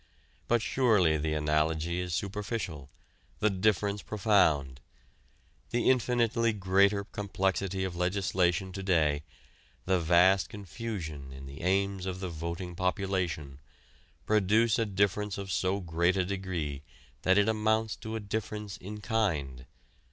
But surely the analogy is superficial; the difference profound. The infinitely greater complexity of legislation to day, the vast confusion in the aims of the voting population, produce a difference of so great a degree that it amounts to a difference in kind.